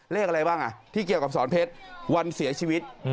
เลขอะไรบ้างที่เกี่ยวกับสอนเพชรวันเสียชีวิต